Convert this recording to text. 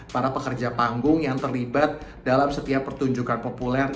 para pekerja panggung yang terlibat dalam setiap pertunjukan populer